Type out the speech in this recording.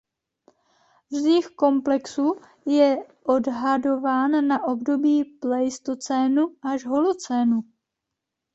Vznik komplexu je odhadován na období pleistocénu až holocénu.